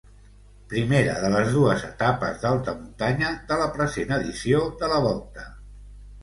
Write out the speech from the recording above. Primera de les dues etapes d'alta muntanya de la present edició de la Volta.